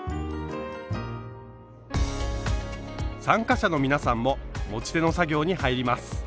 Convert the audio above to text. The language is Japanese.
参加者の皆さんも持ち手の作業に入ります。